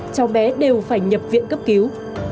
cháu bé đều phải nhập viện cấp cứu